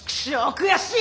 悔しい！